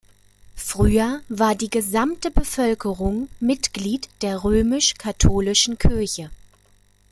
Früher war die gesamte Bevölkerung Mitglied der römisch-katholischen Kirche.